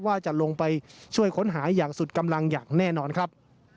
ว่าจะลงไปช่วยค้นหาอย่างสุดกำลังอย่างแน่นอนครับ